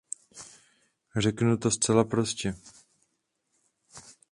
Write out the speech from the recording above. Řeknu to zcela prostě.